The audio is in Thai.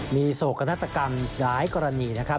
มีโศกนาฏกรรมหลายกรณีนะครับ